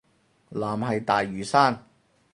藍係大嶼山